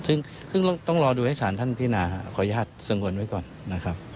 ซึ่งต้องรอดูให้สารท่านพินาขออนุญาตสงวนไว้ก่อนนะครับ